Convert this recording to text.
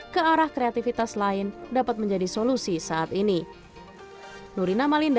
ke arah kreativitas lain dapat menjadi solusi saat ini